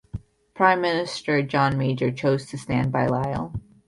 Prime Minister John Major chose to stand by Lyell.